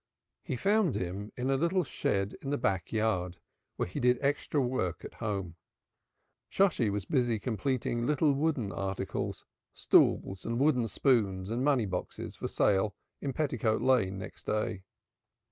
He found him in a little shed in the back yard where he did extra work at home. Shosshi was busy completing little wooden articles stools and wooden spoons and moneyboxes for sale in Petticoat Lane next day.